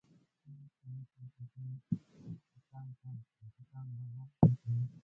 نوې کاري تجربه ځان باور زیاتوي